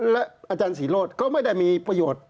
และอาจารย์ศรีโรธก็ไม่ได้มีประโยชน์